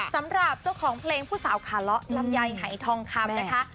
สำหรับเจ้าของเพลงผู้สาวขาเลาะลำไยหายทองคำนะคะ